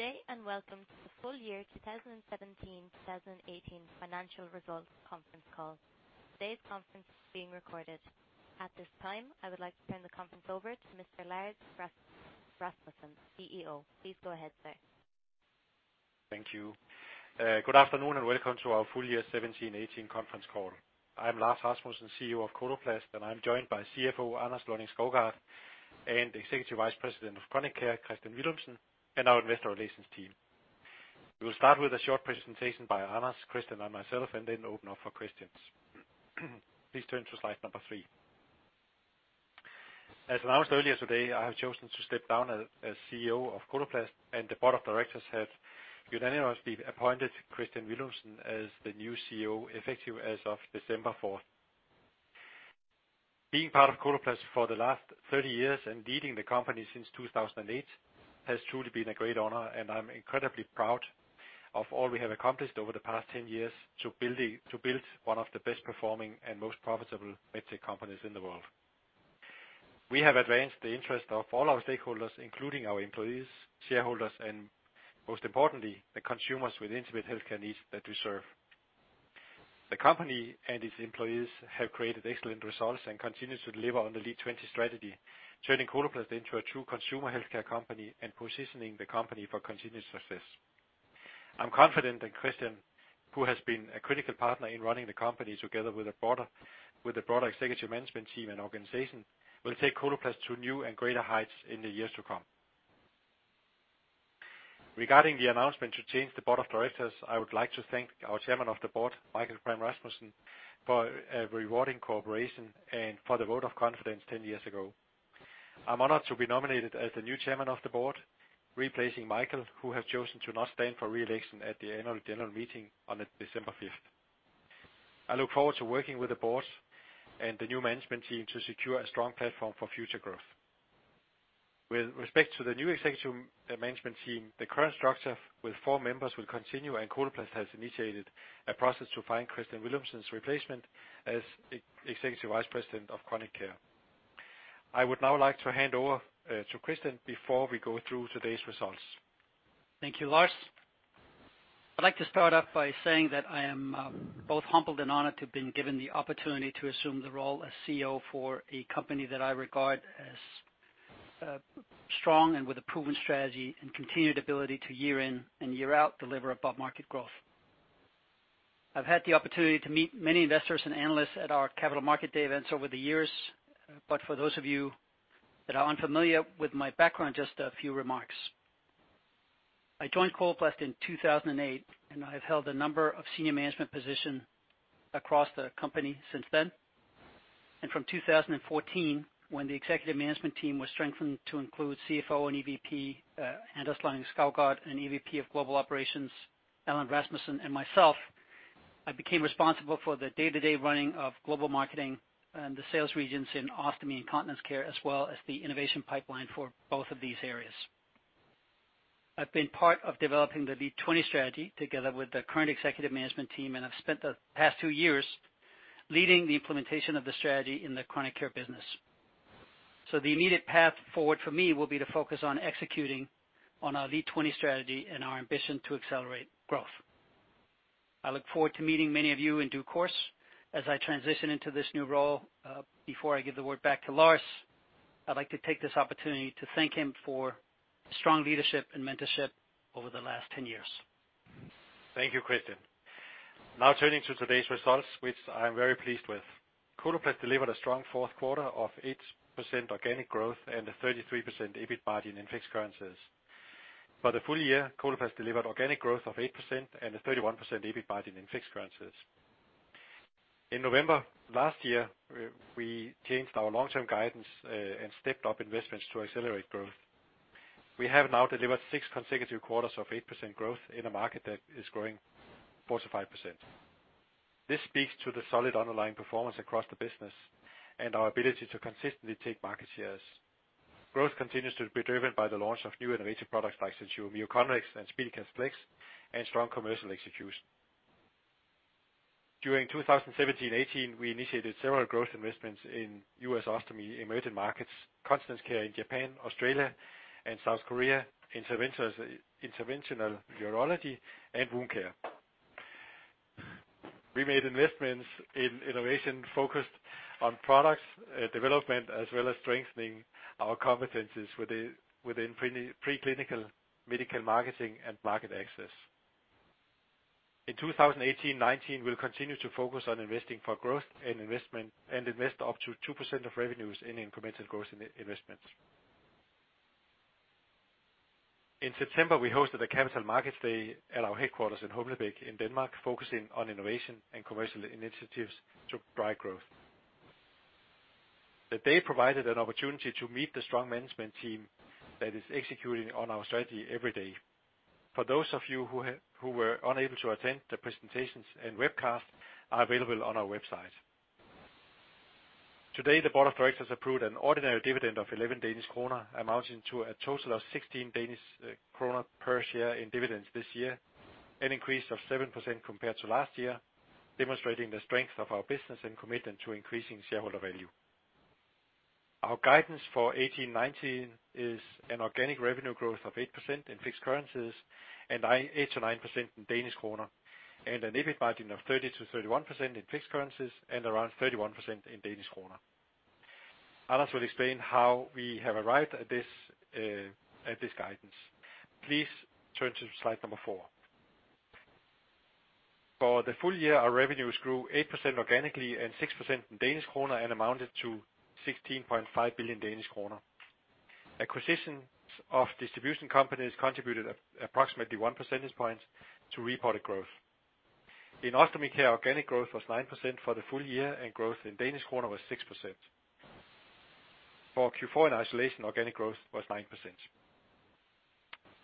Good day. Welcome to the Full Year 2017, 2018 Financial Results Conference Call. Today's conference is being recorded. At this time, I would like to turn the conference over to Mr. Lars Rasmussen, CEO. Please go ahead, sir. Thank you. Welcome to our full year 2017, 2018 conference call. I'm Lars Rasmussen, CEO of Coloplast, and I'm joined by CFO Anders Lonning-Skovgaard, and Executive Vice President of Chronic Care, Kristian Villumsen, and our investor relations team. We will start with a short presentation by Anders, Kristian, and myself, then open up for questions. Please turn to slide number three. As announced earlier today, I have chosen to step down as CEO of Coloplast, the board of directors have unanimously appointed Kristian Villumsen as the new CEO, effective as of December 4th. Being part of Coloplast for the last 30 years and leading the company since 2008, has truly been a great honor. I'm incredibly proud of all we have accomplished over the past 10 years to build one of the best performing and most profitable medtech companies in the world. We have advanced the interest of all our stakeholders, including our employees, shareholders, and most importantly, the consumers with intimate healthcare needs that we serve. The company and its employees have created excellent results and continues to deliver on the LEAD20 strategy, turning Coloplast into a true consumer healthcare company and positioning the company for continued success. I'm confident that Kristian, who has been a critical partner in running the company together with the broader executive management team and organization, will take Coloplast to new and greater heights in the years to come. Regarding the announcement to change the board of directors, I would like to thank our Chairman of the Board, Michael Pram Rasmussen, for a rewarding cooperation and for the vote of confidence 10 years ago. I'm honored to be nominated as the new Chairman of the Board, replacing Michael, who has chosen to not stand for re-election at the annual general meeting on December 5th. I look forward to working with the board and the new management team to secure a strong platform for future growth. With respect to the new executive management team, the current structure with four members will continue. Coloplast has initiated a process to find Kristian Villumsen's replacement as Executive Vice President of Chronic Care. I would now like to hand over to Kristian before we go through today's results. Thank you, Lars. I'd like to start off by saying that I am both humbled and honored to have been given the opportunity to assume the role as CEO for a company that I regard as strong and with a proven strategy and continued ability to year in and year out, deliver above market growth. I've had the opportunity to meet many investors and analysts at our Capital Market Day events over the years, but for those of you that are unfamiliar with my background, just a few remarks. I joined Coloplast in 2008, and I've held a number of senior management position across the company since then. From 2014, when the executive management team was strengthened to include CFO and EVP Anders Lonning-Skovgaard and EVP of Global Operations Allan Rasmussen, and myself, I became responsible for the day-to-day running of global marketing and the sales regions in ostomy and continence care, as well as the innovation pipeline for both of these areas. I've been part of developing the LEAD20 strategy together with the current executive management team, and I've spent the past two years leading the implementation of the strategy in the Chronic Care business. The immediate path forward for me will be to focus on executing on our LEAD20 strategy and our ambition to accelerate growth. I look forward to meeting many of you in due course, as I transition into this new role. Before I give the word back to Lars, I'd like to take this opportunity to thank him for strong leadership and mentorship over the last 10 years. Thank you, Kristian. Now turning to today's results, which I am very pleased with. Coloplast delivered a strong fourth quarter of 8% organic growth and a 33% EBIT margin in fixed currencies. For the full year, Coloplast delivered organic growth of 8% and a 31% EBIT margin in fixed currencies. In November last year, we changed our long-term guidance and stepped up investments to accelerate growth. We have now delivered six consecutive quarters of 8% growth in a market that is growing 4%-5%. This speaks to the solid underlying performance across the business and our ability to consistently take market shares. Growth continues to be driven by the launch of new innovative products like the SenSura Mio and SpeediCath Flex, and strong commercial execution. During 2017, 2018, we initiated several growth investments in U.S. ostomy emerging markets, continence care in Japan, Australia, and South Korea, interventional urology and wound care. We made investments in innovation focused on products development, as well as strengthening our competencies within pre-clinical medical marketing and market access. In 2018, 2019, we'll continue to focus on investing for growth and investment, and invest up to 2% of revenues in incremental growth in investments. In September, we hosted a capital markets day at our headquarters in Humlebæk, in Denmark, focusing on innovation and commercial initiatives to drive growth. The day provided an opportunity to meet the strong management team that is executing on our strategy every day. For those of you who were unable to attend, the presentations and webcast are available on our website. Today, the Board of Directors approved an ordinary dividend of 11 Danish kroner, amounting to a total of 16 Danish kroner per share in dividends this year, an increase of 7% compared to last year, demonstrating the strength of our business and commitment to increasing shareholder value. Our guidance for 2018, 2019 is an organic revenue growth of 8% in fixed currencies and 8%-9% in DKK, and an EBIT margin of 30%-31% in fixed currencies and around 31% in DKK. Anders will explain how we have arrived at this guidance. Please turn to slide four. For the full year, our revenues grew 8% organically and 6% in DKK, and amounted to 16.5 billion Danish kroner. Acquisitions of distribution companies contributed approximately 1 percentage point to reported growth. In Ostomy Care, organic growth was 9% for the full year, and growth in DKK was 6%. For Q4, in Isolation, organic growth was 9%.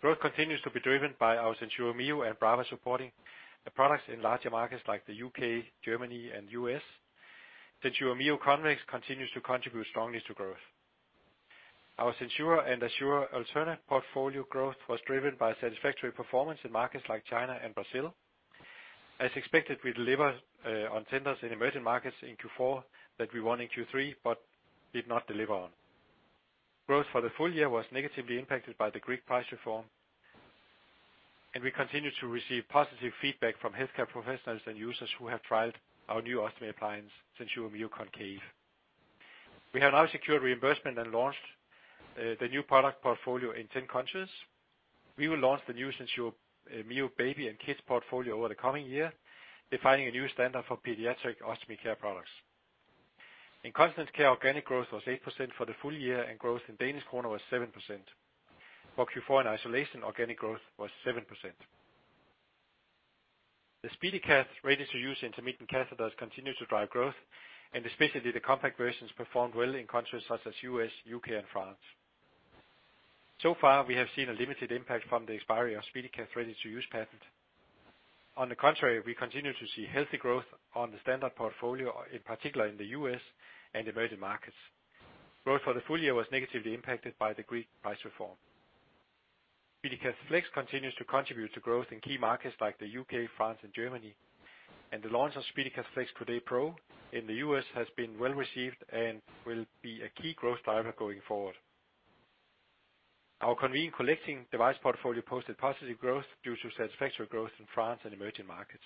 Growth continues to be driven by our SenSura Mio and Brava supporting the products in larger markets like the U.K., Germany, and U.S.. SenSura Mio Convex continues to contribute strongly to growth. Our SenSura and Assura/Alterna portfolio growth was driven by satisfactory performance in markets like China and Brazil. As expected, we delivered on tenders in emerging markets in Q4 that we won in Q3, but did not deliver on. Growth for the full year was negatively impacted by the Greek price reform, and we continue to receive positive feedback from healthcare professionals and users who have tried our new ostomy appliance, SenSura Mio Concave. We have now secured reimbursement and launched the new product portfolio in 10 countries. We will launch the new SenSura Mio Baby and Kids portfolio over the coming year, defining a new standard for pediatric ostomy care products. In Continence Care, organic growth was 8% for the full year and growth in DKK was 7%. For Q4 in Isolation, organic growth was 7%. The SpeediCath ready-to-use intermittent catheters continue to drive growth, and especially the compact versions performed well in countries such as U.S., U.K., and France. So far, we have seen a limited impact from the expiry of SpeediCath ready-to-use patent. On the contrary, we continue to see healthy growth on the standard portfolio, in particular in the U.S. and emerging markets. Growth for the full year was negatively impacted by the Greek price reform. SpeediCath Flex continues to contribute to growth in key markets like the U.K., France, and Germany. The launch of SpeediCath Flex Coudé Pro in the U.S. has been well received and will be a key growth driver going forward. Our convenient collecting device portfolio posted positive growth due to satisfactory growth in France and emerging markets.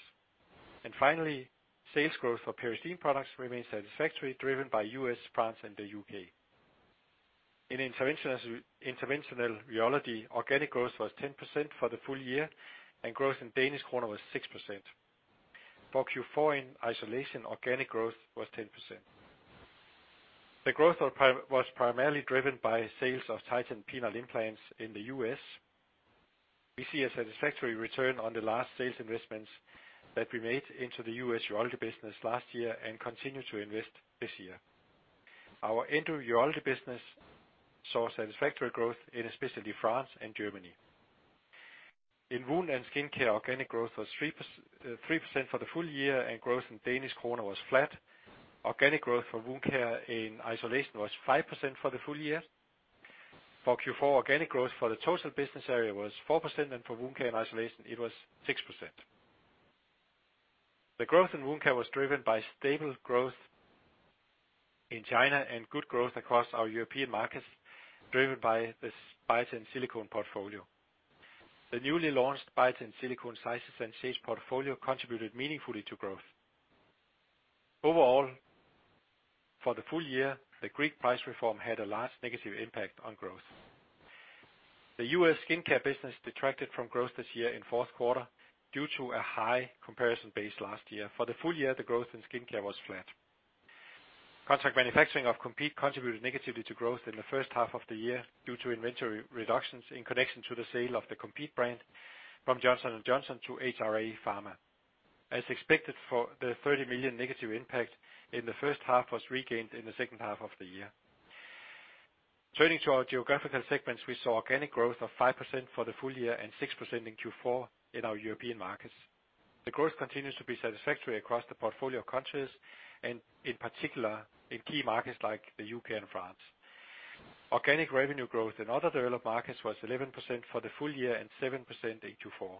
Finally, sales growth for Peristeen products remains satisfactory, driven by U.S., France, and the U.K.. In Interventional Urology, organic growth was 10% for the full year and growth in DKK was 6%. For Q4, in Isolation, organic growth was 10%. The growth was primarily driven by sales of Titan penile implants in the U.S.. We see a satisfactory return on the last sales investments that we made into the U.S. Urology business last year and continue to invest this year. Our Endourology business saw satisfactory growth in especially France and Germany. In Wound and Skin Care, organic growth was 3%, 3% for the full year, and growth in DKK was flat. Organic growth for wound care in isolation was 5% for the full year. For Q4, organic growth for the total business area was 4%, and for Wound Care in Isolation, it was 6%. The growth in Wound Care was driven by stable growth in China and good growth across our European markets, driven by the Biatain Silicone portfolio. The newly launched Biatain Silicone Sizes and Shapes portfolio contributed meaningfully to growth. Overall, for the full year, the Greek price reform had a large negative impact on growth. The U.S. Skincare business detracted from growth this year in fourth quarter due to a high comparison base last year. For the full year, the growth in Skincare was flat. Contract manufacturing of Compeed contributed negatively to growth in the first half of the year, due to inventory reductions in connection to the sale of the Compeed brand from Johnson & Johnson to HRA Pharma. As expected, the 30 million negative impact in the first half was regained in the second half of the year. Turning to our geographical segments, we saw organic growth of 5% for the full year and 6% in Q4 in our European markets. The growth continues to be satisfactory across the portfolio of countries and in particular, in key markets like the U.K. and France. Organic revenue growth in other developed markets was 11% for the full year and 7% in Q4.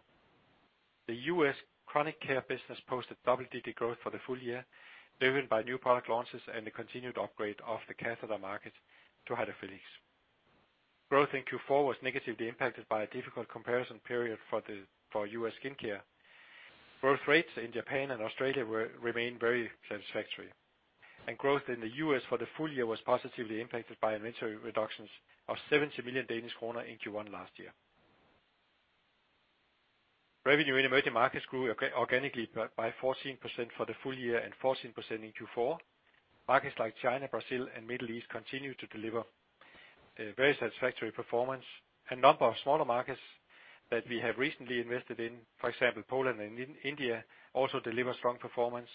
The U.S. Chronic Care business posted double-digit growth for the full year, driven by new product launches and the continued upgrade of the catheter market to hydrophilics. Growth in Q4 was negatively impacted by a difficult comparison period for U.S. Skincare. Growth rates in Japan and Australia remain very satisfactory. Growth in the U.S. for the full year was positively impacted by inventory reductions of 70 million Danish kroner in Q1 last year. Revenue in Emerging Markets grew organically by 14% for the full year and 14% in Q4. Markets like China, Brazil, and Middle East continue to deliver a very satisfactory performance. A number of smaller markets that we have recently invested in, for example, Poland and India, also deliver strong performance.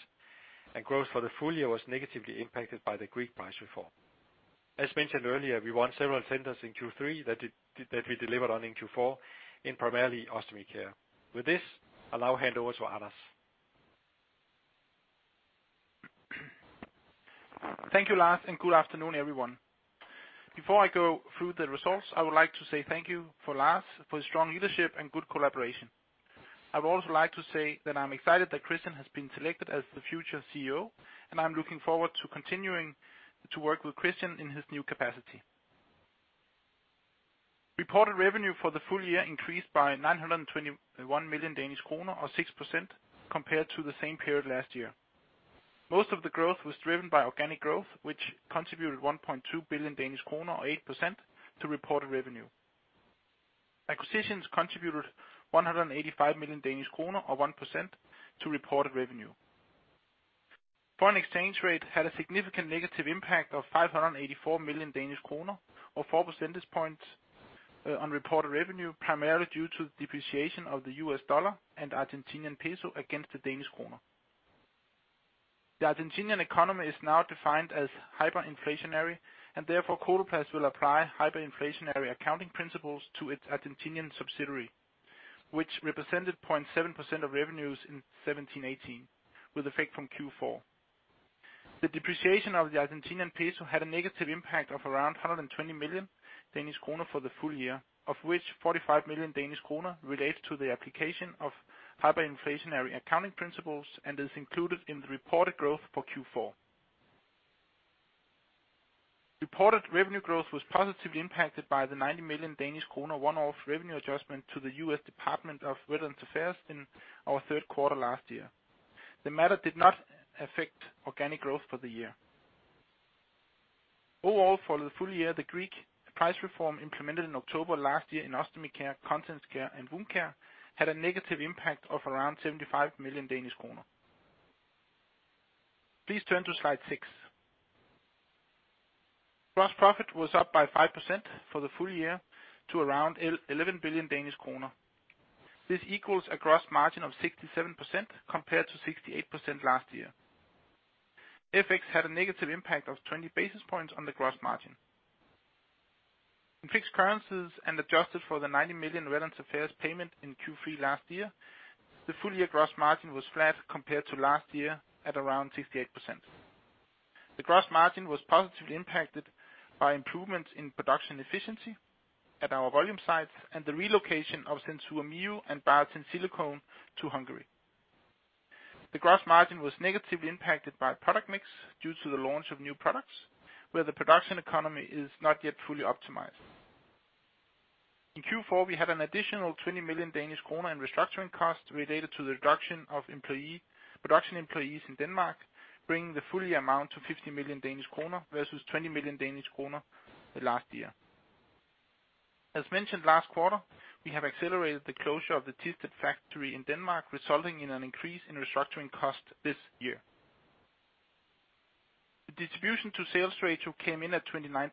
Growth for the full year was negatively impacted by the Greek price reform. As mentioned earlier, we won several tenders in Q3 that we delivered on in Q4, in primarily Ostomy Care. With this, I'll now hand over to Anders. Thank you, Lars. Good afternoon, everyone. Before I go through the results, I would like to say thank you for Lars for his strong leadership and good collaboration. I would also like to say that I'm excited that Kristian has been selected as the future CEO, and I'm looking forward to continuing to work with Kristian in his new capacity. Reported revenue for the full year increased by 921 million Danish kroner, or 6%, compared to the same period last year. Most of the growth was driven by organic growth, which contributed 1.2 billion Danish kroner, or 8%, to reported revenue. Acquisitions contributed 185 million Danish kroner, or 1%, to reported revenue. Foreign exchange rate had a significant negative impact of 584 million Danish kroner, or 4 percentage points, on reported revenue, primarily due to the depreciation of the USD and ARS against the DKK. The Argentinian economy is now defined as hyperinflationary, and therefore, Coloplast will apply hyperinflationary accounting principles to its Argentinian subsidiary, which represented 0.7% of revenues in 2017, 2018, with effect from Q4. The depreciation of the ARS had a negative impact of around 120 million Danish kroner for the full year, of which 45 million Danish kroner relates to the application of hyperinflationary accounting principles, and is included in the reported growth for Q4. Reported revenue growth was positively impacted by the 90 million Danish kroner one-off revenue adjustment to the U.S. Department of Veterans Affairs in our third quarter last year. The matter did not affect organic growth for the year. For the full year, the Greek price reform implemented in October last year in Ostomy care, Continence care, and Wound care, had a negative impact of around 75 million Danish kroner. Please turn to slide six. Gross profit was up by 5% for the full year to around 11 billion Danish kroner. This equals a gross margin of 67% compared to 68% last year. FX had a negative impact of 20 basis points on the gross margin. In fixed currencies and adjusted for the 90 million Veterans Affairs payment in Q3 last year, the full year gross margin was flat compared to last year, at around 68%. The gross margin was positively impacted by improvements in production efficiency at our volume sites and the relocation of SenSura Mio and Biatain Silicone to Hungary. The gross margin was negatively impacted by product mix due to the launch of new products, where the production economy is not yet fully optimized. In Q4, we had an additional 20 million Danish kroner in restructuring costs related to the reduction of production employees in Denmark, bringing the full year amount to 50 million Danish kroner versus 20 million Danish kroner last year. As mentioned last quarter, we have accelerated the closure of the Thisted factory in Denmark, resulting in an increase in restructuring costs this year. The distribution to sales ratio came in at 29%,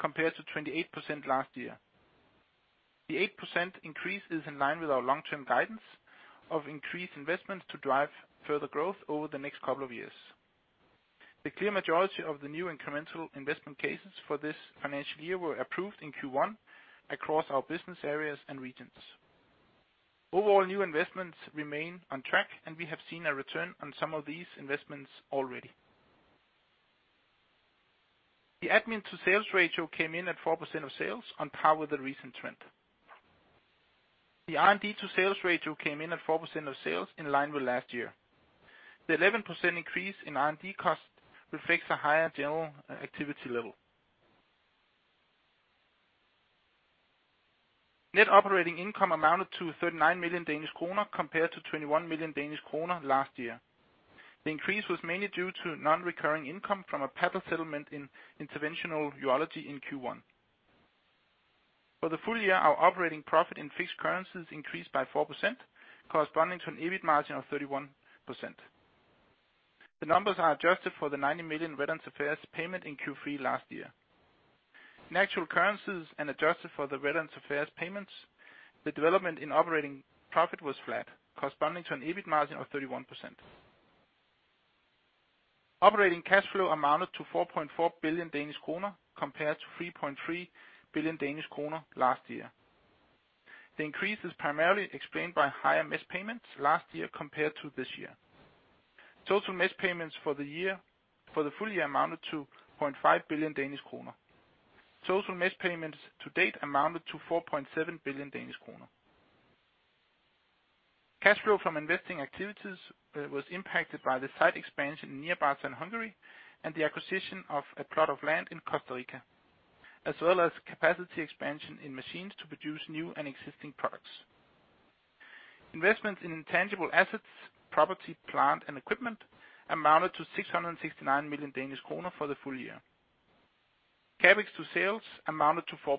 compared to 28% last year. The 8% increase is in line with our long-term guidance of increased investments to drive further growth over the next couple of years. The clear majority of the new incremental investment cases for this financial year were approved in Q1 across our business areas and regions. Overall, new investments remain on track, and we have seen a return on some of these investments already. The admin to sales ratio came in at 4% of sales, on par with the recent trend. The R&D to sales ratio came in at 4% of sales, in line with last year. The 11% increase in R&D costs reflects a higher general activity level. Net operating income amounted to 39 million Danish kroner, compared to 21 million Danish kroner last year. The increase was mainly due to non-recurring income from a patent settlement in Interventional Urology in Q1. For the full year, our operating profit in fixed currencies increased by 4%, corresponding to an EBIT margin of 31%. The numbers are adjusted for the 90 million Veterans Affairs payment in Q3 last year. In actual currencies, and adjusted for the Veterans Affairs payments, the development in operating profit was flat, corresponding to an EBIT margin of 31%. Operating cash flow amounted to 4.4 billion Danish kroner, compared to 3.3 billion Danish kroner last year. The increase is primarily explained by higher mesh payments last year compared to this year. Total mesh payments for the year, for the full year, amounted to 0.5 billion Danish kroner. Total mesh payments to date amounted to 4.7 billion Danish kroner. Cash flow from investing activities was impacted by the site expansion in Nyírbátor, Hungary and the acquisition of a plot of land in Costa Rica, as well as capacity expansion in machines to produce new and existing products. Investments in intangible assets, property, plant, and equipment amounted to 669 million Danish kroner for the full year. CapEx to sales amounted to 4%.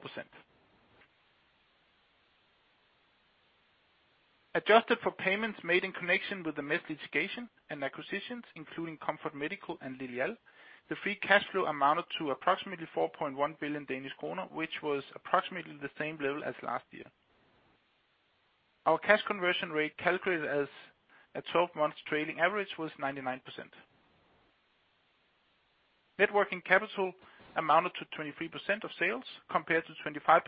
Adjusted for payments made in connection with the mesh litigation and acquisitions, including Comfort Medical and Lilial, the free cash flow amounted to approximately 4.1 billion Danish kroner, which was approximately the same level as last year. Our cash conversion rate, calculated as a 12-month trailing average, was 99%. Net working capital amounted to 23% of sales, compared to 25%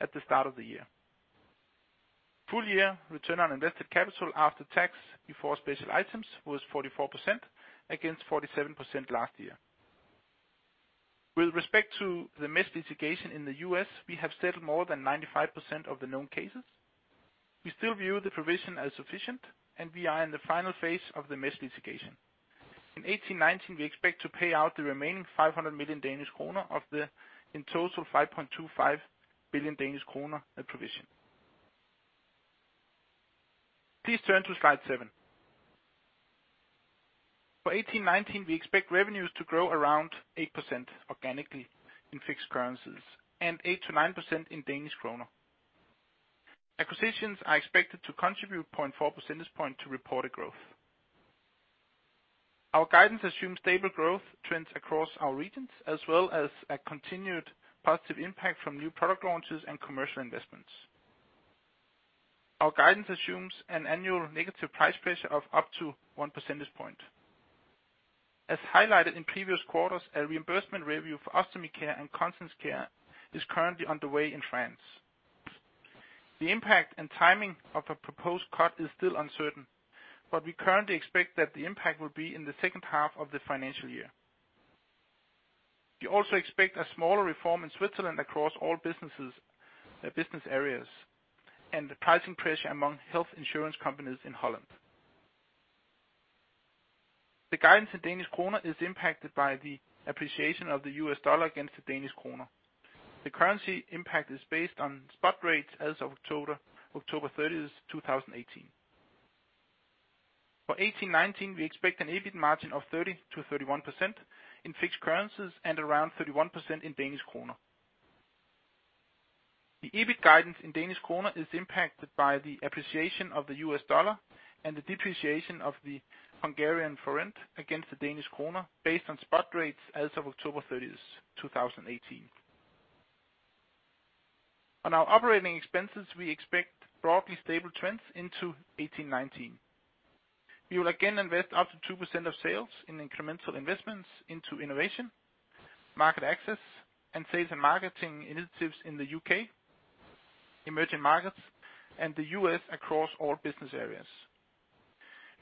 at the start of the year. Full year return on invested capital after tax, before special items, was 44%, against 47% last year. With respect to the mesh litigation in the U.S., we have settled more than 95% of the known cases. We still view the provision as sufficient, and we are in the final phase of the mesh litigation. In 2018, 2019, we expect to pay out the remaining 500 million Danish kroner of the, in total, 5.25 billion Danish kroner at provision. Please turn to slide seven. For 2018, 2019, we expect revenues to grow around 8% organically in fixed currencies, and 8%-9% in DKK. Acquisitions are expected to contribute 0.4 percentage point to reported growth. Our guidance assumes stable growth trends across our regions, as well as a continued positive impact from new product launches and commercial investments. Our guidance assumes an annual negative price pressure of up to 1 percentage point. As highlighted in previous quarters, a reimbursement review for Ostomy Care and Continence Care is currently underway in France. The impact and timing of a proposed cut is still uncertain, but we currently expect that the impact will be in the second half of the financial year. We also expect a smaller reform in Switzerland across all businesses, business areas, and the pricing pressure among health insurance companies in Holland. The guidance in DKK is impacted by the appreciation of the USD against the DKK. The currency impact is based on spot rates as of October 30th, 2018. For 2018, 2019, we expect an EBIT margin of 30%-31% in fixed currencies and around 31% in DKK. The EBIT guidance in DKK is impacted by the appreciation of the USD and the depreciation of the HUF against the DKK, based on spot rates as of October 30th, 2018. On our operating expenses, we expect broadly stable trends into 2018, 2019. We will again invest up to 2% of sales in incremental investments into innovation, market access, and sales and marketing initiatives in the U.K., emerging markets, and the U.S. across all business areas.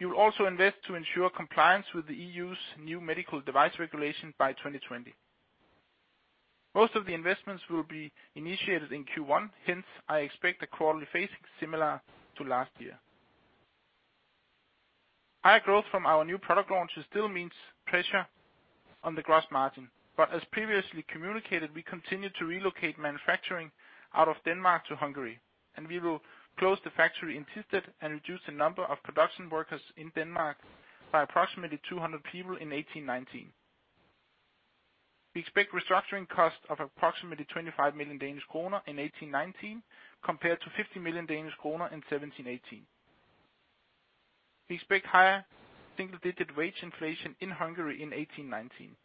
We will also invest to ensure compliance with the EU's new Medical Device Regulation by 2020. Most of the investments will be initiated in Q1, hence, I expect a quality phasing similar to last year. Higher growth from our new product launches still means pressure on the gross margin, but as previously communicated, we continue to relocate manufacturing out of Denmark to Hungary, and we will close the factory in Thisted and reduce the number of production workers in Denmark by approximately 200 people in 2018, 2019. We expect restructuring costs of approximately 25 million Danish kroner in 2018, 2019, compared to 50 million Danish kroner in 2017, 2018. We expect higher single-digit wage inflation in Hungary in 2018, 2019.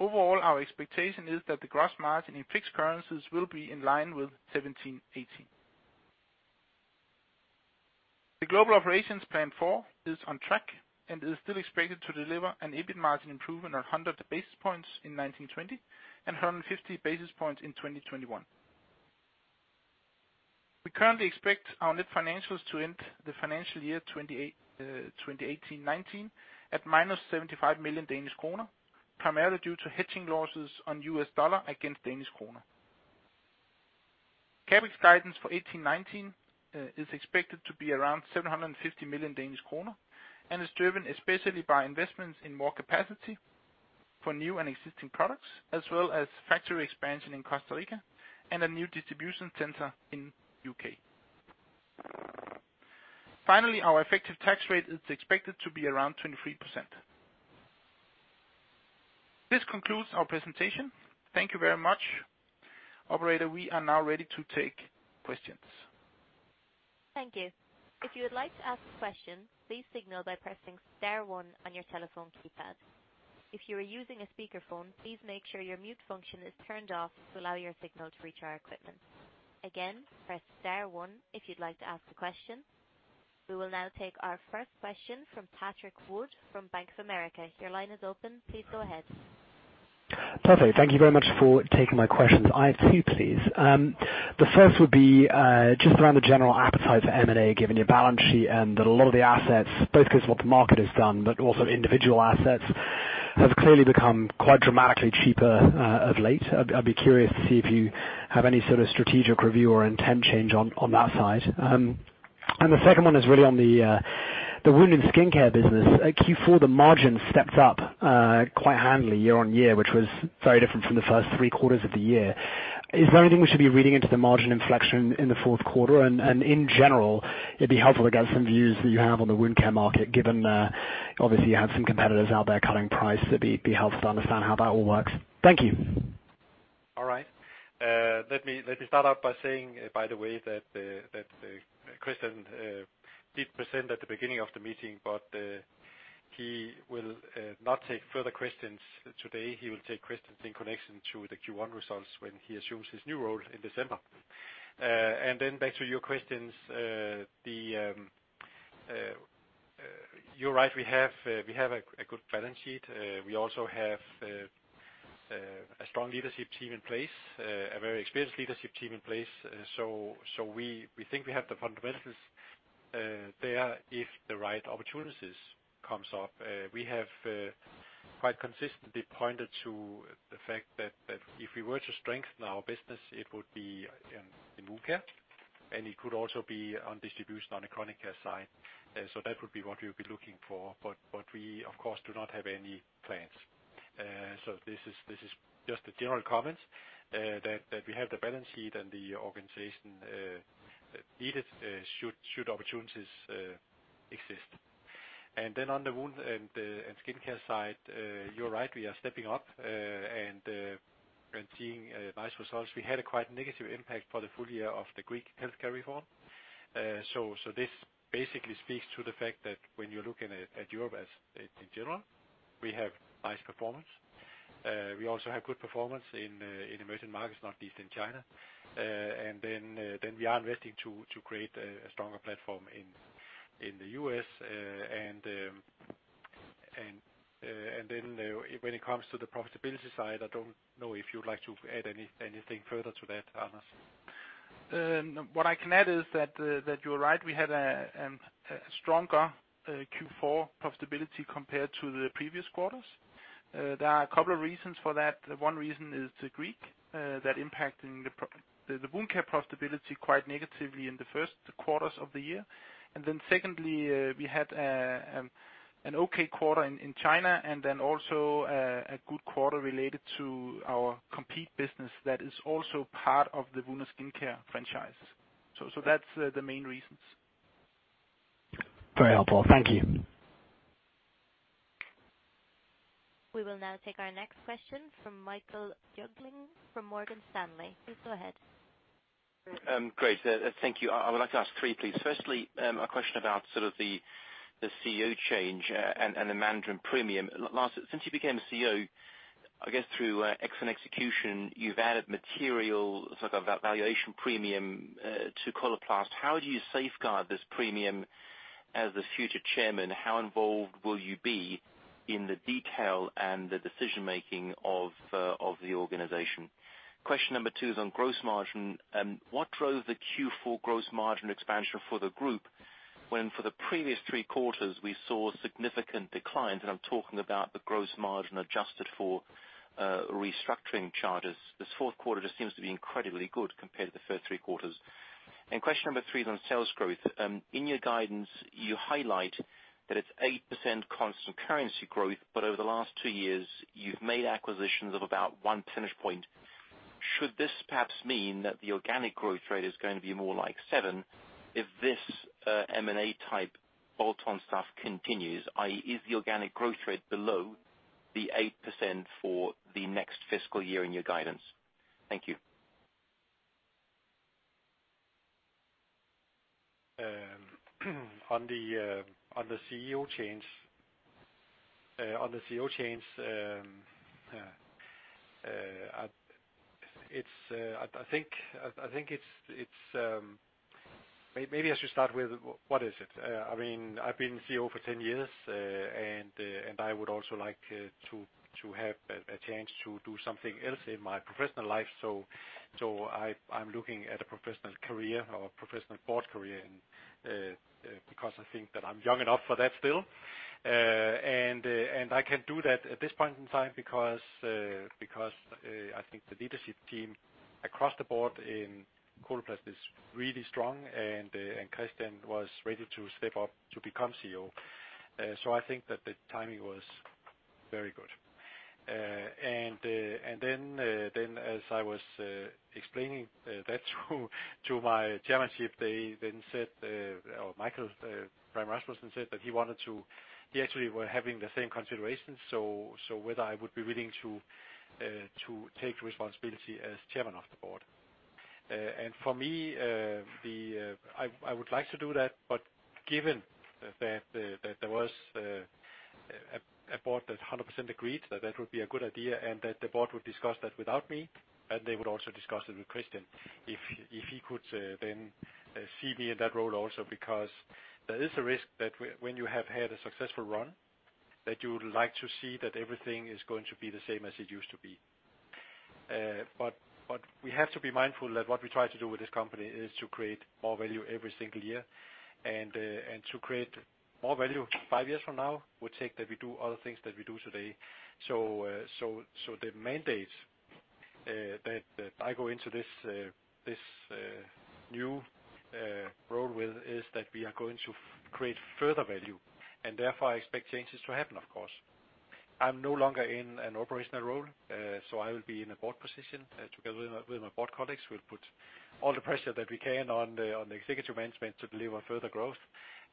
Overall, our expectation is that the gross margin in fixed currencies will be in line with 2017, 2018. The Global Operations Plan IV is on track and is still expected to deliver an EBIT margin improvement of 100 basis points in 2019, 2020, and 150 basis points in 2020, 2021. We currently expect our net financials to end the financial year 2018, 2019, at -75 million Danish kroner, primarily due to hedging losses on USD against DKK. CapEx guidance for 2018, 2019, is expected to be around 750 million Danish kroner, and is driven especially by investments in more capacity for new and existing products, as well as factory expansion in Costa Rica and a new distribution center in U.K. Finally, our effective tax rate is expected to be around 23%. This concludes our presentation. Thank you very much. Operator, we are now ready to take questions. Thank you. If you would like to ask a question, please signal by pressing star one on your telephone keypad. If you are using a speakerphone, please make sure your mute function is turned off to allow your signal to reach our equipment. Press star one if you'd like to ask a question. We will now take our first question from Patrick Wood from Bank of America. Your line is open. Please go ahead. Perfect. Thank you very much for taking my questions. I have two, please. The first would be just around the general appetite for M&A, given your balance sheet and a lot of the assets, both because of what the market has done, but also individual assets have clearly become quite dramatically cheaper of late. I'd be curious to see if you have any sort of strategic review or intent change on that side. The second one is really on the wound and skincare business. At Q4, the margin stepped up quite handily year-on-year, which was very different from the first three quarters of the year. Is there anything we should be reading into the margin inflection in the fourth quarter? In general, it'd be helpful to get some views that you have on the wound care market, given, obviously, you have some competitors out there cutting price, it'd be helpful to understand how that all works. Thank you. All right. Let me start out by saying, by the way, that Kristian did present at the beginning of the meeting. He will not take further questions today. He will take questions in connection to the Q1 results when he assumes his new role in December. Then back to your questions, you're right, we have a good balance sheet. We also have a strong leadership team in place, a very experienced leadership team in place. We think we have the fundamentals in place.... there if the right opportunities comes up. We have quite consistently pointed to the fact that if we were to strengthen our business, it would be in wound care, and it could also be on distribution on the Chronic Care side. That would be what we would be looking for, but we of course, do not have any plans. This is just a general comments that we have the balance sheet and the organization needed should opportunities exist. On the Wound and Skincare side, you're right, we are stepping up and seeing nice results. We had a quite negative impact for the full year of the Greek healthcare reform. This basically speaks to the fact that when you're looking at Europe as in general, we have nice performance. We also have good performance in emerging markets, Northeast and China. We are investing to create a stronger platform in the U.S., and when it comes to the profitability side, I don't know if you'd like to add anything further to that, Anders? What I can add is that you're right, we had a stronger Q4 profitability compared to the previous quarters. There are a couple of reasons for that. One reason is the Greek that impacting the wound care profitability quite negatively in the first quarters of the year. Secondly, we had an okay quarter in China, and then also a good quarter related to our Compeed business that is also part of the wound and skincare franchise. That's the main reasons. Very helpful. Thank you. We will now take our next question from Michael Jüngling, from Morgan Stanley. Please go ahead. Great. Thank you. I would like to ask three, please. Firstly, a question about sort of the CEO change and the management premium. Lars, since you became the CEO, I guess through, excellent execution, you've added material, sort of a valuation premium, to Coloplast. How do you safeguard this premium as the future Chairman? How involved will you be in the detail and the decision making of the organization? Question number two is on gross margin. What drove the Q4 gross margin expansion for the group, when for the previous three quarters, we saw significant declines, and I'm talking about the gross margin adjusted for, restructuring charges. This fourth quarter just seems to be incredibly good compared to the first three quarters. Question number three is on sales growth. In your guidance, you highlight that it's 8% constant currency growth, but over the last two years, you've made acquisitions of about 1 percentage point. Should this perhaps mean that the organic growth rate is going to be more like 7%, if this M&A type bolt-on stuff continues, i.e., is the organic growth rate below the 8% for the next fiscal year in your guidance? Thank you. On the CEO change, I think it's. Maybe I should start with what is it? I mean, I've been CEO for 10 years, and I would also like to have a chance to do something else in my professional life. I'm looking at a professional career or professional board career and because I think that I'm young enough for that still. I can do that at this point in time because I think the leadership team across the board in Coloplast is really strong, and Kristian was ready to step up to become CEO. I think that the timing was very good. As I was explaining that to my chairmanship, they then said, or Michael Rasmussen said that he actually were having the same considerations, whether I would be willing to take responsibility as chairman of the board. For me, the, I would like to do that, but given that there was a board that 100% agreed that that would be a good idea, and that the board would discuss that without me, and they would also discuss it with Kristian, if he could, then see me in that role also, because there is a risk that when you have had a successful run, that you would like to see that everything is going to be the same as it used to be. We have to be mindful that what we try to do with this company is to create more value every single year, and to create more value five years from now, would take that we do other things that we do today. The mandate that I go into this new role with, is that we are going to create further value, and therefore, I expect changes to happen, of course. I'm no longer in an operational role, so I will be in a board position together with my board colleagues. We'll put all the pressure that we can on the executive management to deliver further growth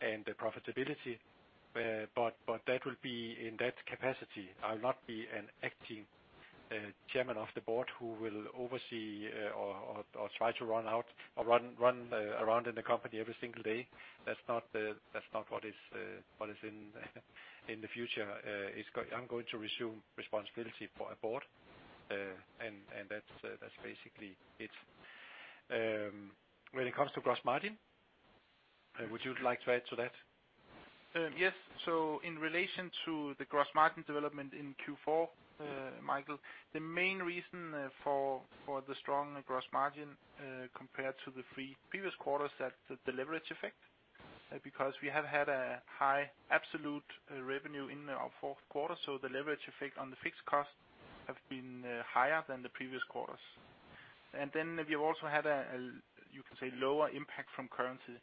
and profitability, but that will be in that capacity. I'll not be an acting chairman of the board who will oversee or try to run out or run around in the company every single day. That's not what is in the future. I'm going to assume responsibility for a board, and that's basically it. When it comes to gross margin, would you like to add to that? Yes. In relation to the gross margin development in Q4, Michael, the main reason for the strong gross margin compared to the pre-previous quarters, that the leverage effect, because we have had a high absolute revenue in our fourth quarter, the leverage effect on the fixed cost have been higher than the previous quarters. Then we've also had a, you can say, lower impact from currency.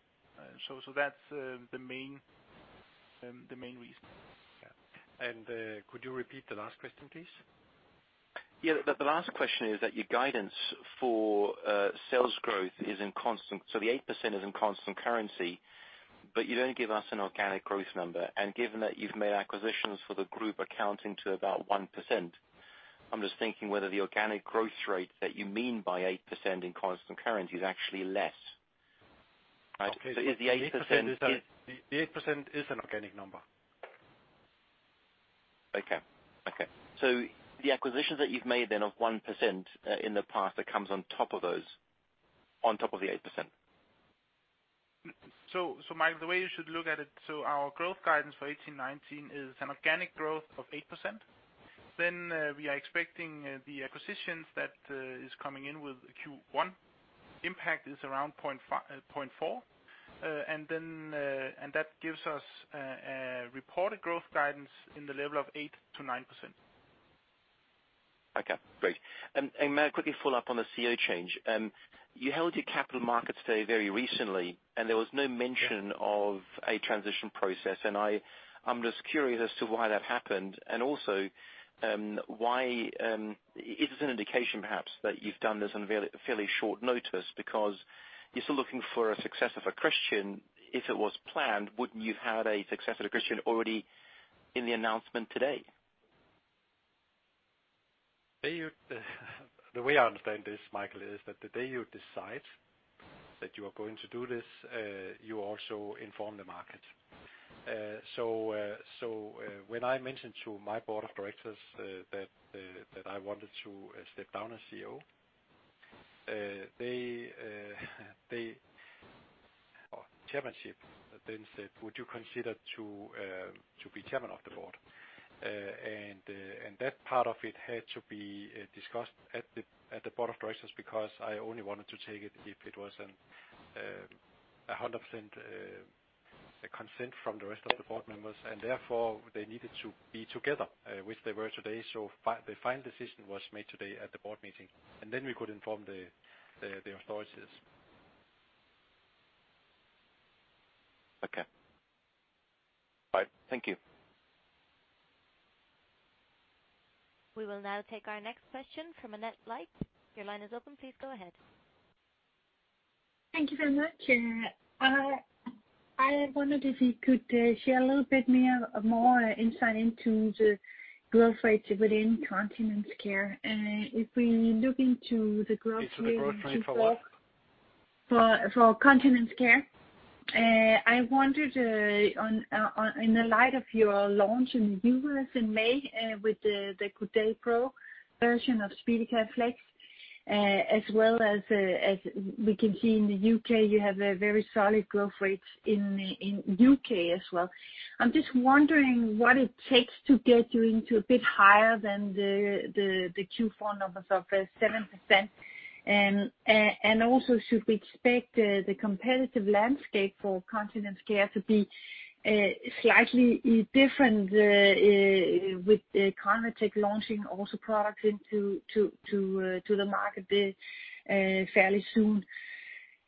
So that's the main reason. Could you repeat the last question, please? The last question is that your guidance for sales growth is in constant, so the 8% is in constant currency, but you don't give us an organic growth number. Given that you've made acquisitions for the group accounting to about 1%, I'm just thinking whether the organic growth rate that you mean by 8% in constant currency is actually less. Is the 8%- The 8% is an organic number. Okay. Okay. The acquisitions that you've made then of 1%, in the past, that comes on top of those, on top of the 8%? Michael, the way you should look at it, our growth guidance for 2018, 2019 is an organic growth of 8%. We are expecting the acquisitions that is coming in with Q1. Impact is around 0.4. That gives us a reported growth guidance in the level of 8%-9%. Okay, great. May I quickly follow up on the CEO change? You held your capital markets day very recently, and there was no mention of a transition process, and I'm just curious as to why that happened, and also, why, is it an indication perhaps that you've done this on fairly short notice? You're still looking for a successor for Kristian. If it was planned, wouldn't you had a successor to Kristian already in the announcement today? The way I understand this, Michael, is that the day you decide that you are going to do this, you also inform the market. When I mentioned to my Board of Directors that I wanted to step down as CEO, they chairmanship then said: "Would you consider to be chairman of the board?" That part of it had to be discussed at the Board of Directors, because I only wanted to take it if it was 100% consent from the rest of the board members, and therefore, they needed to be together, which they were today. The final decision was made today at the board meeting, and then we could inform the authorities. Okay. All right. Thank you. We will now take our next question from Annette Lykke. Your line is open. Please go ahead. Thank you very much. I wondered if you could share a little bit more insight into the growth rate within continence care. If we look into the growth rate. Into the growth rate for what? For Continence Care. I wondered, on, in the light of your launch in the U.S. in May, with the Coudé Pro version of SpeediCath Flex, as well as we can see in the U.K., you have a very solid growth rate in U.K. as well. I'm just wondering what it takes to get you into a bit higher than the Q4 numbers of 7%. Also, should we expect the competitive landscape for Continence Care to be slightly different, with Coloplast launching also products into the market fairly soon?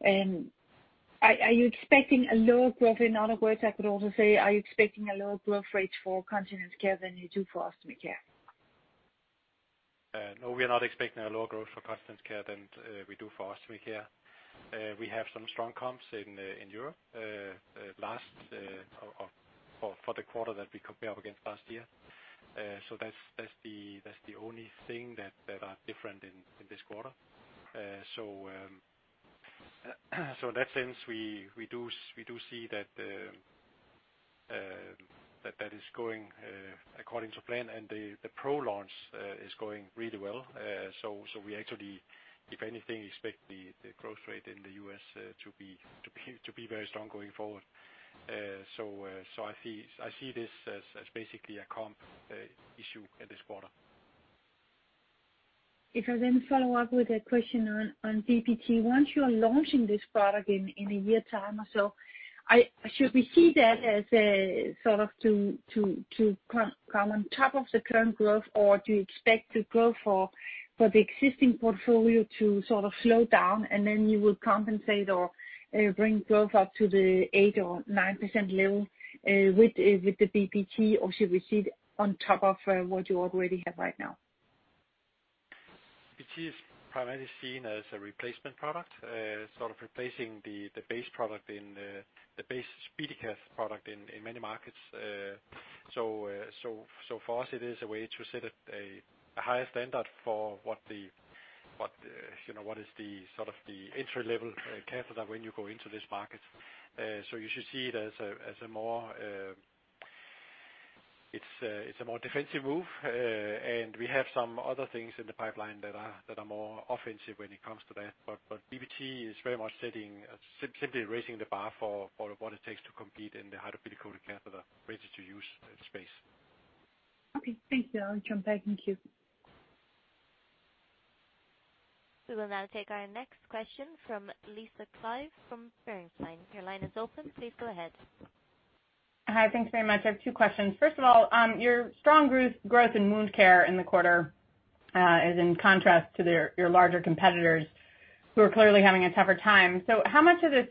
Are you expecting a lower growth? In other words, I could also say: Are you expecting a lower growth rate for Continence Care than you do for Ostomy Care? No, we are not expecting a lower growth for Continence Care than we do for Ostomy Care. We have some strong comps in Europe last or for the quarter that we compare up against last year. That's the only thing that are different in this quarter. In that sense, we do see that is going according to plan, and the Pro launch is going really well. We actually, if anything, expect the growth rate in the U.S. to be very strong going forward. I see this as basically a comp issue in this quarter. If I follow up with a question on BPT. Once you are launching this product in a year's time or so, should we see that as a sort of to come on top of the current growth, or do you expect the growth for the existing portfolio to sort of slow down, and then you will compensate or bring growth up to the 8% or 9% level with the BPT, or should we see it on top of what you already have right now? BPT is primarily seen as a replacement product, sort of replacing the base product in the base SpeediCath product in many markets. So far, it is a way to set a higher standard for what the, you know, what is the sort of the entry-level catheter when you go into this market. You should see it as a more defensive move, and we have some other things in the pipeline that are more offensive when it comes to that. BBT is very much setting simply raising the bar for what it takes to compete in the hydrophilic catheter ready-to-use space. Okay. Thank you. I'll jump back. Thank you. We will now take our next question from Lisa Clive from Bernstein. Your line is open. Please go ahead. Hi. Thanks very much. I have two questions. First of all, your strong growth in Wound Care in the quarter, is in contrast to your larger competitors, who are clearly having a tougher time. How much of this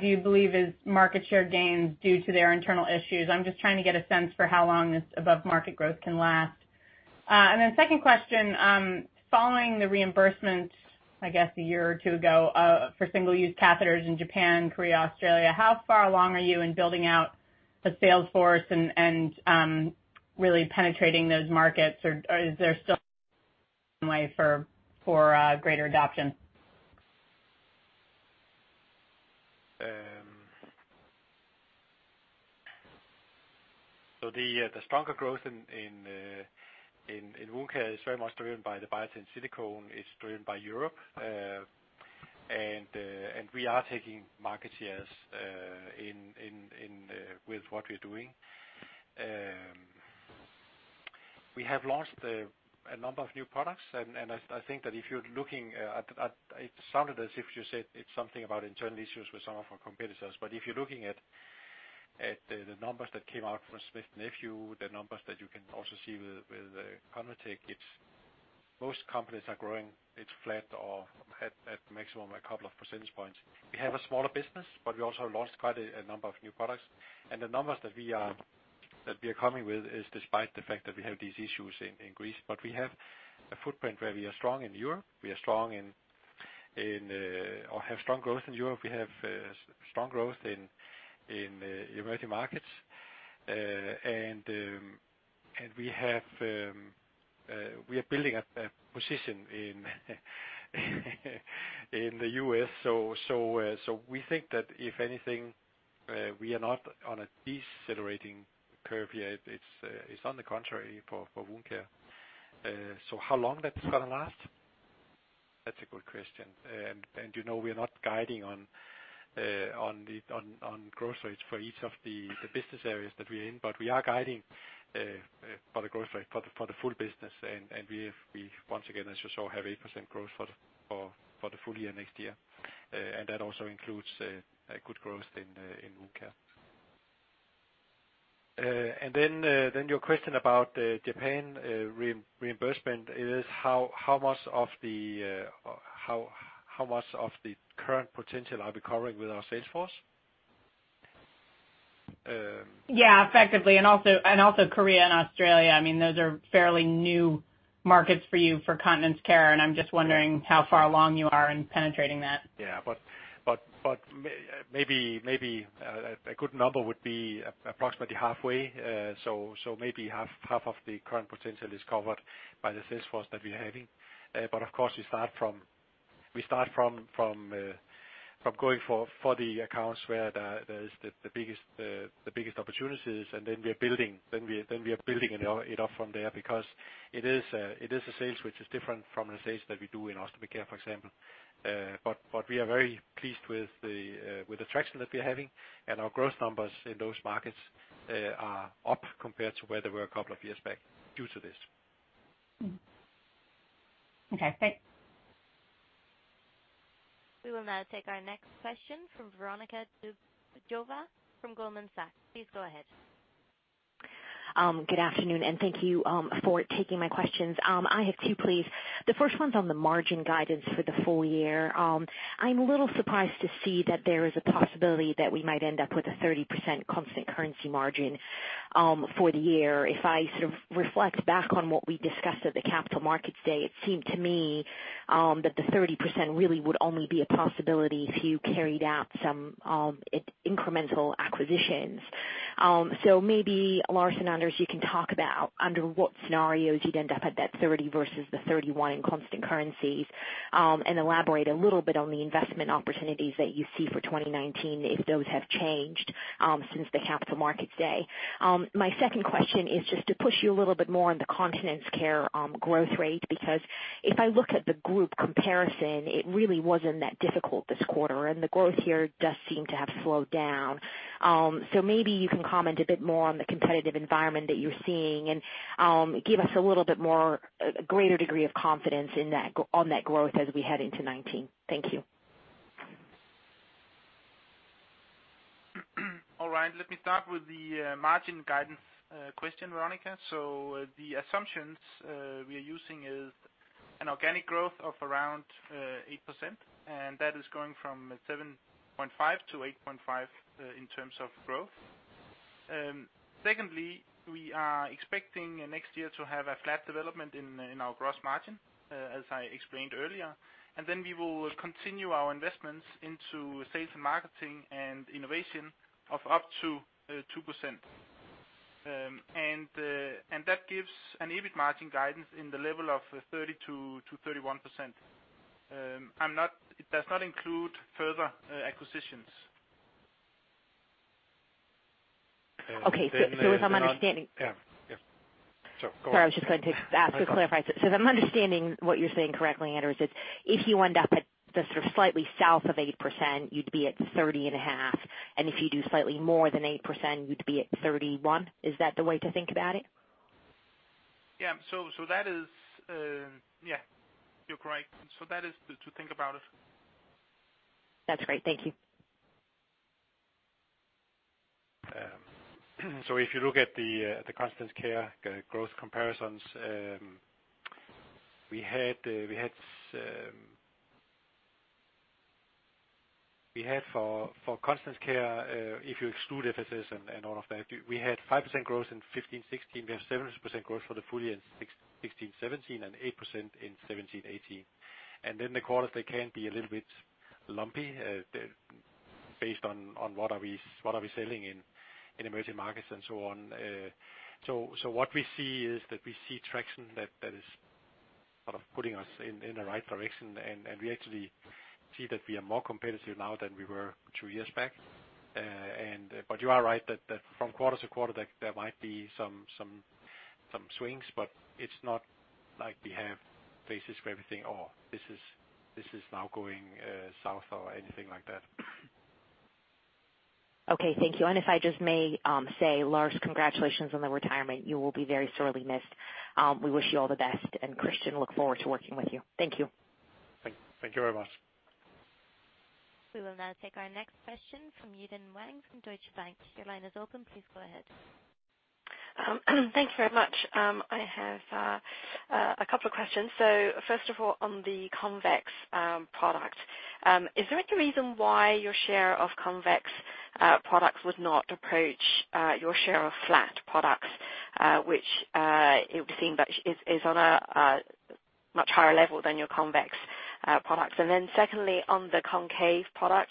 do you believe is market share gains due to their internal issues? I'm just trying to get a sense for how long this above market growth can last. Second question, following the reimbursement, I guess, a year or two ago, for single-use catheters in Japan, Korea, Australia, how far along are you in building out the sales force and really penetrating those markets, or, is there still way for greater adoption? So the stronger growth in Wound Care is very much driven by the Biatain Silicone. It's driven by Europe. We are taking market shares in with what we're doing. We have launched a number of new products, and I think that if you're looking at it sounded as if you said it's something about internal issues with some of our competitors. If you're looking at the numbers that came out from Smith & Nephew, the numbers that you can also see with Convatec, it's most companies are growing. It's flat or at maximum, a couple of percentage points. We have a smaller business, but we also launched quite a number of new products. The numbers that we are coming with is despite the fact that we have these issues in Greece. We have a footprint where we are strong in Europe, we are strong in, or have strong growth in Europe. We have strong growth in emerging markets. We have we are building a position in the U.S. We think that, if anything, we are not on a decelerating curve yet. It's on the contrary for wound care. How long that's gonna last? That's a good question. You know, we are not guiding on the growth rates for each of the business areas that we're in, but we are guiding for the growth rate for the full business. We once again, as you saw, have 8% growth for the full year next year. That also includes a good growth in wound care. Then your question about Japan reimbursement is how much of the current potential are we covering with our sales force? Yeah, effectively, and also Korea and Australia. I mean, those are fairly new markets for you for continence care, and I'm just wondering- Yeah. how far along you are in penetrating that. Yeah. Maybe a good number would be approximately halfway. Maybe half of the current potential is covered by the sales force that we're having. Of course, we start from going for the accounts where there is the biggest opportunities, and then we are building it up from there. It is a sales which is different from the sales that we do in Ostomy Care, for example. We are very pleased with the traction that we're having, and our growth numbers in those markets are up compared to where they were a couple of years back due to this. Mm-hmm. Okay, thanks. We will now take our next question from Veronika Dubajova from Goldman Sachs. Please go ahead. Good afternoon, and thank you for taking my questions. I have two, please. The first one's on the margin guidance for the full year. I'm a little surprised to see that there is a possibility that we might end up with a 30% constant currency margin for the year. If I sort of reflect back on what we discussed at the Capital Markets Day, it seemed to me that the 30% really would only be a possibility if you carried out some incremental acquisitions. Maybe, Lars and Anders, you can talk about under what scenarios you'd end up at that 30 versus the 31 constant currencies. Elaborate a little bit on the investment opportunities that you see for 2019, if those have changed since the Capital Markets Day. My second question is just to push you a little bit more on the Continence Care growth rate. If I look at the group comparison, it really wasn't that difficult this quarter, and the growth here does seem to have slowed down. Maybe you can comment a bit more on the competitive environment that you're seeing, and give us a little bit more, a greater degree of confidence in that, on that growth as we head into 2019. Thank you. All right, let me start with the margin guidance question, Veronika. The assumptions we are using is an organic growth of around 8%, and that is going from 7.5%-8.5% in terms of growth. Secondly, we are expecting next year to have a flat development in our gross margin, as I explained earlier, and then we will continue our investments into sales and marketing and innovation of up to 2%. That gives an EBIT margin guidance in the level of 30%-31%. I'm not, it does not include further acquisitions. Okay, so as I'm understanding. Yeah, yeah. Go on. Sorry, I was just going to ask to clarify. If I'm understanding what you're saying correctly, Anders, it's if you end up at the sort of slightly south of 8%, you'd be at 30.5%, and if you do slightly more than 8%, you'd be at 31%. Is that the way to think about it? Yeah. that is, yeah, you're correct. that is to think about it. That's great. Thank you. If you look at the Continence Care growth comparisons, we had for Continence Care, if you exclude FSS and all of that, we had 5% growth in 2015, 2016. We have 7% growth for the full year in 2016, 2017, and 8% in 2017, 2018. The quarters, they can be a little bit lumpy, based on what are we, what are we selling in emerging markets and so on. What we see is that we see traction that is sort of putting us in the right direction. We actually see that we are more competitive now than we were two years back. You are right that from quarter to quarter, there might be some swings, but it's not like we have basis for everything, or this is now going south or anything like that. Okay. Thank you. If I just may, say, Lars, congratulations on the retirement. You will be very sorely missed. We wish you all the best, and Kristian, look forward to working with you. Thank you. Thank you very much. We will now take our next question from Yi-Dan Wang from Deutsche Bank. Your line is open. Please go ahead. Thank you very much. I have a couple of questions. First of all, on the Convex product, is there any reason why your share of Convex products would not approach your share of flat products, which it would seem that is on a much higher level than your convex products? Secondly, on the Concave product,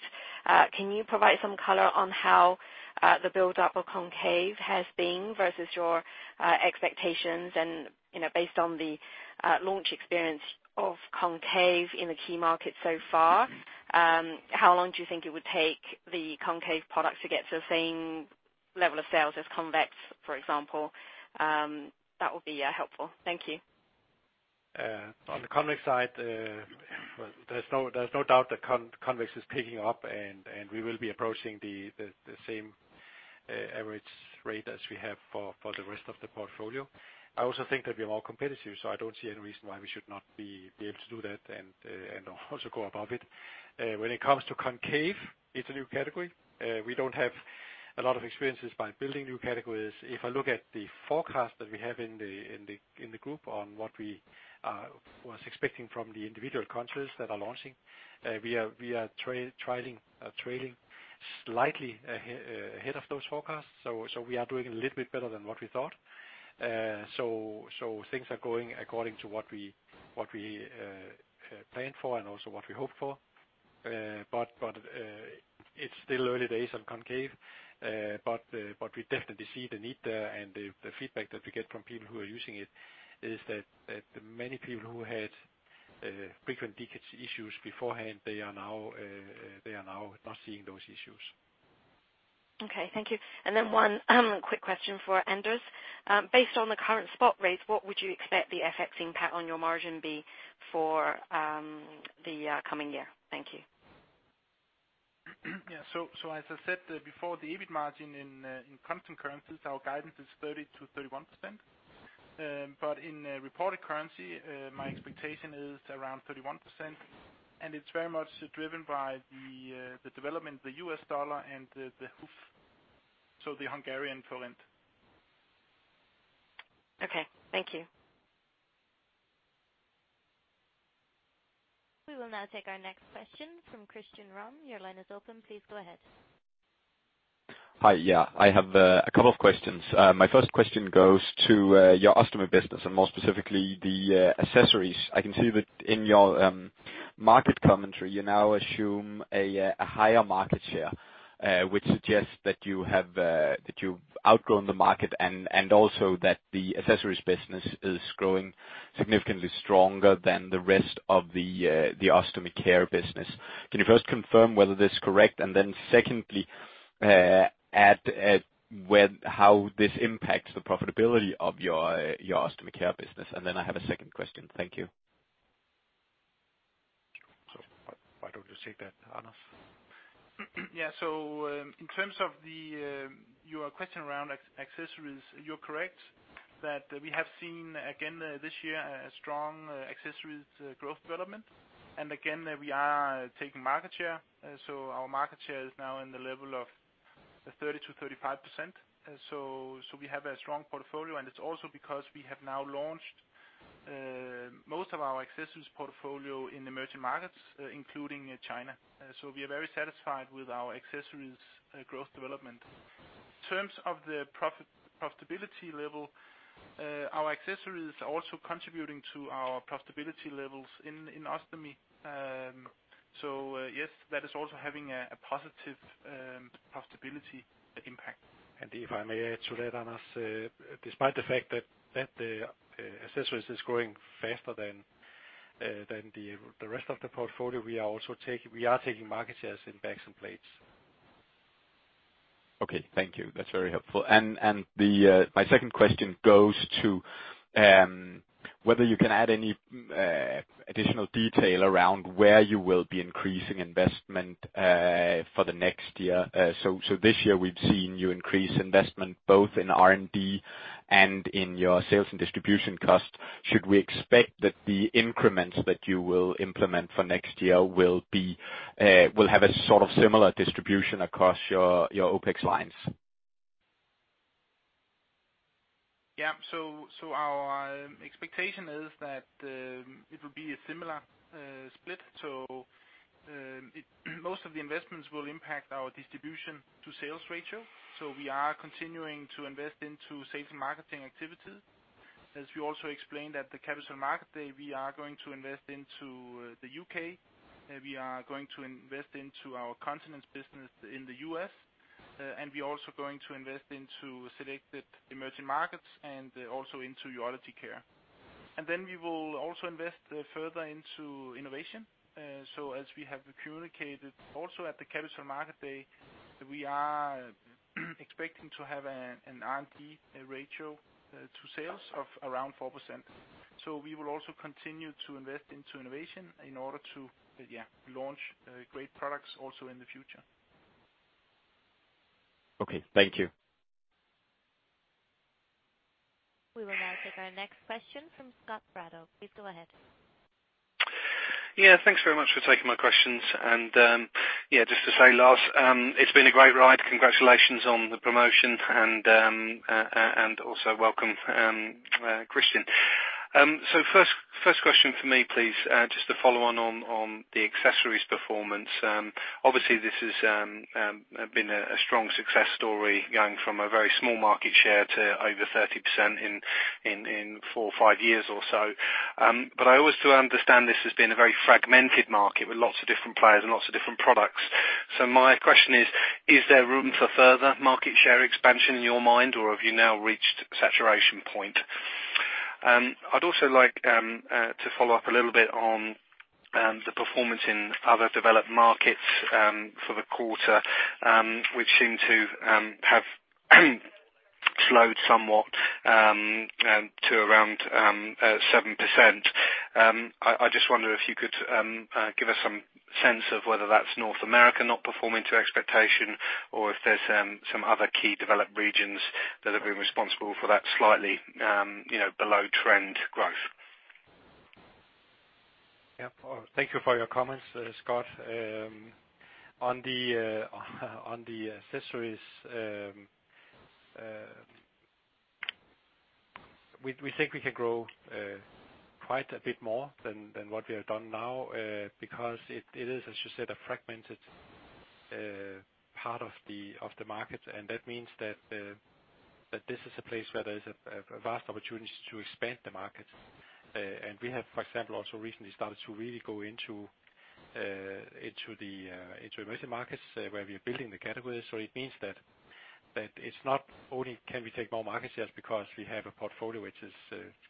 can you provide some color on how the buildup of Concave has been versus your expectations? You know, based on the launch experience of Concave in the key market so far, how long do you think it would take the Concave product to get to the same level of sales as Convex, for example? That would be helpful. Thank you. On the Convex side, there's no doubt that Convex is picking up, we will be approaching the same average rate as we have for the rest of the portfolio. I also think that we are more competitive, I don't see any reason why we should not be able to do that and also go above it. When it comes to Concave, it's a new category. We don't have a lot of experiences by building new categories. If I look at the forecast that we have in the group on what we was expecting from the individual countries that are launching, we are trailing slightly ahead of those forecasts. We are doing a little bit better than what we thought. Things are going according to what we planned for and also what we hoped for. It's still early days on Concave. We definitely see the need there, and the feedback that we get from people who are using it is that many people who had frequent leakage issues beforehand, they are now not seeing those issues. Okay. Thank you. One, quick question for Anders. Based on the current spot rates, what would you expect the FX impact on your margin be for the coming year? Thank you. As I said before, the EBIT margin in constant currencies, our guidance is 30%-31%. In reported currency, my expectation is around 31%, and it's very much driven by the development of the USD and the HUF, so the Hungarian forint. Okay. Thank you. We will now take our next question from Christian Ryom. Your line is open. Please go ahead. Hi. Yeah, I have a couple of questions. My first question goes to your Ostomy business and more specifically, the accessories. I can see that in your market commentary, you now assume a higher market share, which suggests that you've outgrown the market, and also that the accessories business is growing significantly stronger than the rest of the Ostomy Care business. Can you first confirm whether this is correct? Secondly, how this impacts the profitability of your Ostomy Care business. Then I have a second question. Thank you. Why don't you take that, Anders? In terms of the, your question around accessories, you're correct that we have seen again this year a strong accessories growth development, and again, we are taking market share. Our market share is now in the level of 30%-35%. We have a strong portfolio, and it's also because we have now launched most of our accessories portfolio in emerging markets, including China. We are very satisfied with our accessories growth development. In terms of the profitability level, our accessories are also contributing to our profitability levels in Ostomy. Yes, that is also having a positive profitability impact. If I may add to that, Anders, despite the fact that the accessories is growing faster than the rest of the portfolio, we are also taking market shares in bags and plates. Okay, thank you. That's very helpful. The, my second question goes to, whether you can add any additional detail around where you will be increasing investment for the next year. This year we've seen you increase investment both in R&D and in your sales and distribution cost. Should we expect that the increments that you will implement for next year will be, will have a sort of similar distribution across your OpEx lines? Yeah. Our expectation is that it will be a similar split. Most of the investments will impact our distribution to sales ratio, so we are continuing to invest into sales and marketing activities. As we also explained at the Capital Market Day, we are going to invest into the U.K., and we are going to invest into our Continence business in the U.S., and we're also going to invest into selected emerging markets and also into urology care. We will also invest further into innovation. As we have communicated also at the Capital Market Day, we are expecting to have an R&D ratio to sales of around 4%. We will also continue to invest into innovation in order to, yeah, launch great products also in the future. Okay, thank you. We will now take our next question from Scott Bardo. Please go ahead. Yeah, thanks very much for taking my questions. Yeah, just to say, Lars, it's been a great ride. Congratulations on the promotion, and also welcome, Kristian. First question for me, please, just to follow on the accessories performance. Obviously, this has been a strong success story, going from a very small market share to over 30% in four or five years or so. I also understand this has been a very fragmented market with lots of different players and lots of different products. My question is: Is there room for further market share expansion in your mind, or have you now reached saturation point? I'd also like to follow up a little bit on the performance in other developed markets for the quarter, which seem to have slowed somewhat to around 7%. I just wonder if you could give us some sense of whether that's North America not performing to expectation or if there's some other key developed regions that have been responsible for that slightly, you know, below-trend growth. Thank you for your comments, Scott. On the on the accessories, we think we can grow quite a bit more than what we have done now, because it is, as you said, a fragmented part of the market, and that means that this is a place where there's a vast opportunity to expand the market. We have, for example, also recently started to really go into into the into Emerging Markets where we are building the categories. It means that it's not only can we take more market shares because we have a portfolio which is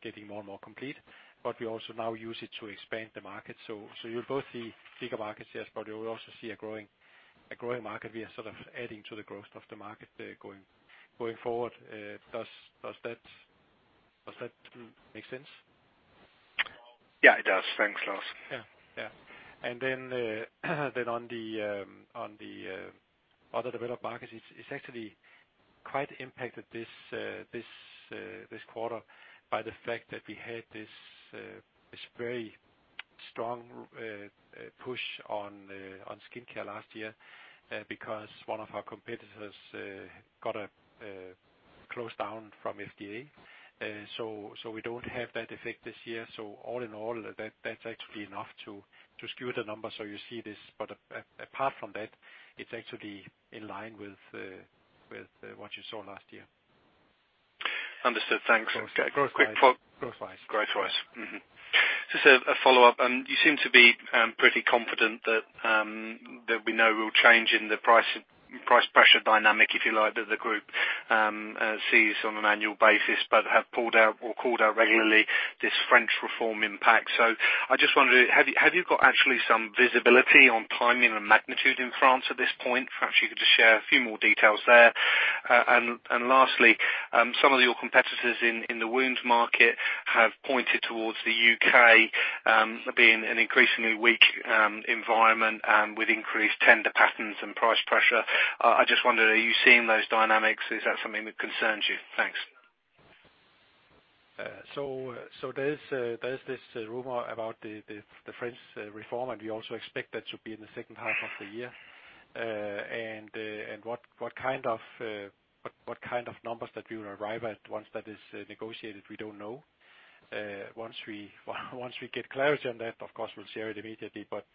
getting more and more complete, but we also now use it to expand the market. You'll both see bigger market shares, but you will also see a growing market. We are sort of adding to the growth of the market going forward. Does that make sense? Yeah, it does. Thanks, Lars. Yeah, yeah. Then on the other developed markets, it's actually quite impacted this quarter by the fact that we had this very strong push on Skincare last year, because one of our competitors got a close down from FDA. We don't have that effect this year. All in all, that's actually enough to skew the numbers, so you see this. Apart from that, it's actually in line with what you saw last year. Understood. Thanks. Growth-wise. Quick follow-up. Growth-wise. Growth-wise. Just a follow-up, you seem to be pretty confident that there'll be no real change in the price pressure dynamic, if you like, that the group sees on an annual basis, but have pulled out or called out regularly this French reform impact. I just wondered, have you got actually some visibility on timing and magnitude in France at this point? Perhaps you could just share a few more details there. Lastly, some of your competitors in the wounds market have pointed towards the U.K. being an increasingly weak environment with increased tender patterns and price pressure. I just wondered, are you seeing those dynamics? Is that something that concerns you? Thanks. So there's this rumor about the French reform. We also expect that to be in the second half of the year. What kind of numbers that we will arrive at once that is negotiated, we don't know. Once we get clarity on that, of course, we'll share it immediately, but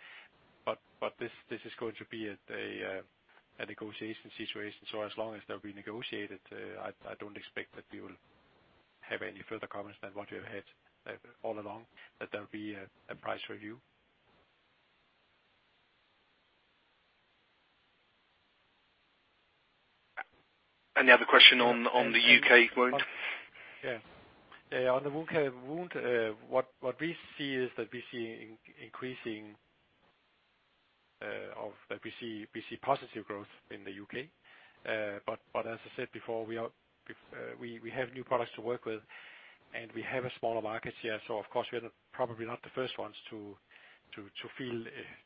this is going to be a negotiation situation. As long as they'll be negotiated, I don't expect that we will have any further comments than what you have had all along, that there'll be a price review. Any other question on the U.K. wound? Yeah. Yeah, on the wound, what we see is that we see increasing of that we see positive growth in the U.K.. As I said before, we have new products to work with, and we have a smaller market share. Of course, we are probably not the first ones to feel,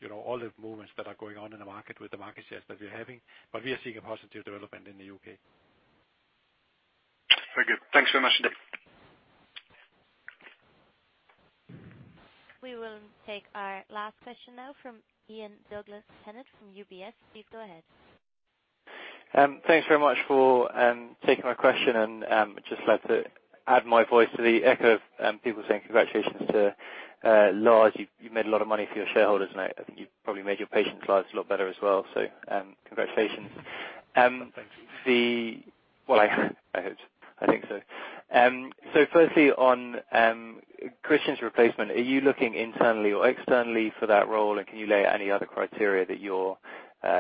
you know, all the movements that are going on in the market with the market shares that we're having, but we are seeing a positive development in the U.K.. Very good. Thanks so much. We will take our last question now from Ian Douglas-Pennant from UBS. Please go ahead. Thanks very much for taking my question, and just like to add my voice to the echo of people saying congratulations to Lars Rasmussen. You've made a lot of money for your shareholders, and I think you've probably made your patients' lives a lot better as well, so congratulations. Thank you. Well, I hope. I think so. Firstly, on Kristian's replacement, are you looking internally or externally for that role, and can you lay out any other criteria that you're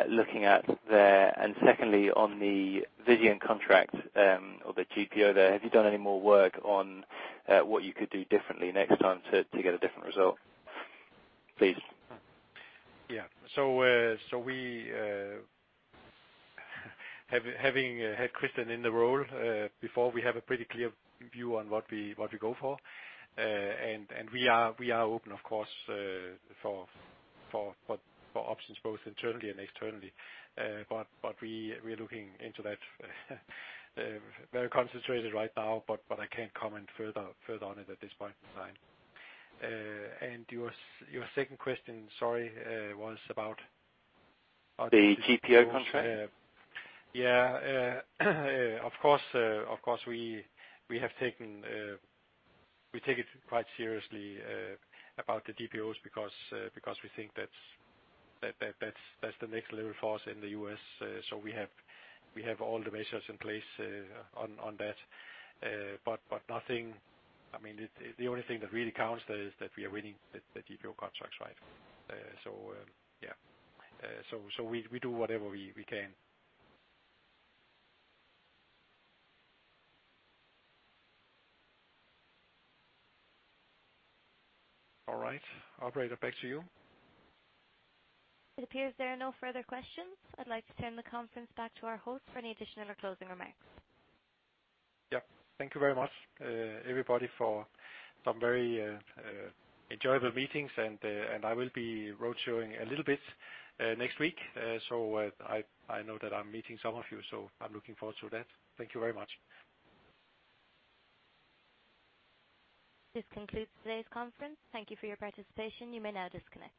looking at there? Secondly, on the Vizient contract, or the GPO there, have you done any more work on what you could do differently next time to get a different result, please? We, having had Kristian in the role before, we have a pretty clear view on what we go for. We are open, of course, for options both internally and externally. We are looking into that very concentrated right now, but I can't comment further on it at this point in time. Your second question, sorry, was about? The GPO contract. Yeah. Of course, of course, we take it quite seriously about the GPOs because we think that's the next level for us in the U.S. So we have all the measures in place on that. But nothing... I mean, the only thing that really counts is that we are winning the GPO contracts, right? So, yeah. So we do whatever we can. All right. Operator, back to you. It appears there are no further questions. I'd like to turn the conference back to our host for any additional or closing remarks. Yeah. Thank you very much, everybody, for some very, enjoyable meetings. I will be roadshow-ing a little bit, next week. I know that I'm meeting some of you, so I'm looking forward to that. Thank you very much. This concludes today's conference. Thank you for your participation. You may now disconnect.